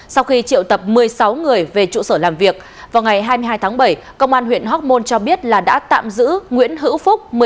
sau khi triệu tập một mươi sáu người về trụ sở làm việc vào ngày hai mươi hai tháng bảy công an huyện hóc môn cho biết là đã tạm giữ nguyễn hữu phúc